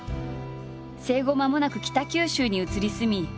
生後まもなく北九州に移り住み